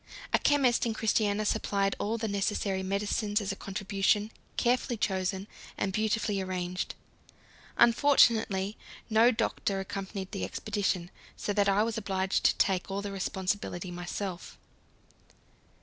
A chemist in Christiania supplied all the necessary medicines as a contribution, carefully chosen, and beautifully arranged. Unfortunately no doctor accompanied the expedition, so that I was obliged to take all the responsibility myself.